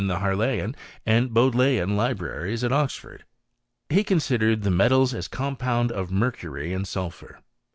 t)ie Harleian and Bodleian libraries at Oxford. He , considered the metals as compound of mercury and sulphur.